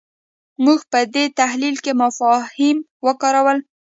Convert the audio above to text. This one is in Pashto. موږ په دې تحلیل کې مفاهیم وکارول.